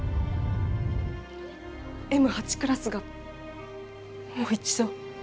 Ｍ８クラスが、もう一度。